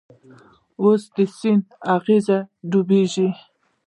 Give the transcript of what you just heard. اوس د سیند غیږ کې ډوبیږې